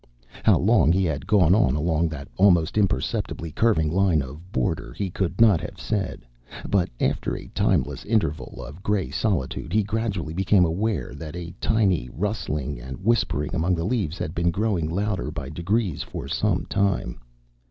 How long he had gone on along that almost imperceptibly curving line of border he could not have said, but after a timeless interval of gray solitude he gradually became aware that a tiny rustling and whispering among the leaves had been growing louder by degrees for some time.